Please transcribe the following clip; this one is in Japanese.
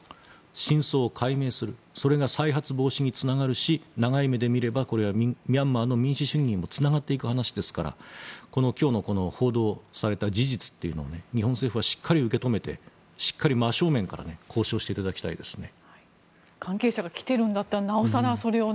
真相を解明するそれが再発防止につながるし長い目で見ればこれはミャンマーの民主主義にもつながっていく話ですから今日の報道された事実というのを日本政府はしっかり受け止めてしっかり真正面から交渉していただきたいですね。